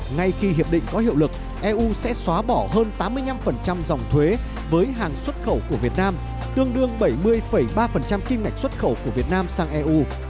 ngay khi hiệp định có hiệu lực eu sẽ xóa bỏ hơn tám mươi năm dòng thuế với hàng xuất khẩu của việt nam tương đương bảy mươi ba kim ngạch xuất khẩu của việt nam sang eu